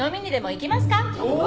行きます！